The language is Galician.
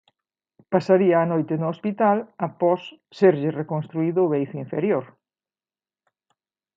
Pasaría a noite no hospital, após serlle reconstruído o beizo inferior.